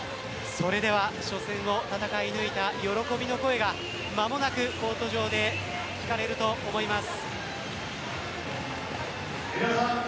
それでは初戦を戦い抜いた喜びの声が間もなくコート上で聞かれると思います。